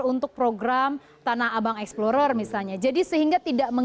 dulu yang mengatakan apa bernama sedemikian